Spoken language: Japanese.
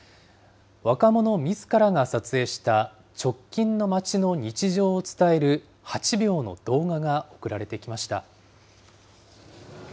若者みずからが撮影した、直近の街の日常を伝える８秒の動画が送られてきました。